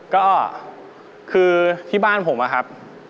ก็คือที่บ้านผมอะครับ